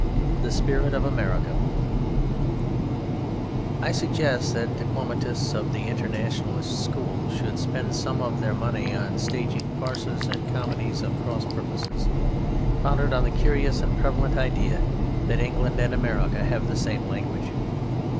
The Spirit of America I suggest that diplomatists of the internationalist school should spend some of their money on staging farces and comedies of cross purposes, founded on the curious and prevalent idea that England and America have the same language.